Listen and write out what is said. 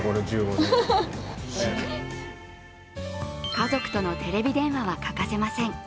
家族とのテレビ電話は欠かせません。